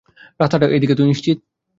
রাস্তাটা এদিকে তুই নিশ্চিত?